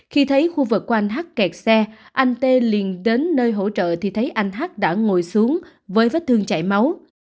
khi thấy khu vực của anh h kẹt xe anh t liền đến nơi hỗ trợ thì thấy anh h đã ngồi xuống với vết thương chảy máu